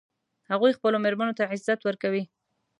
هغوی خپلو میرمنو ته عزت ورکوي